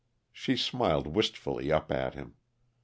She smiled wistfully up at him.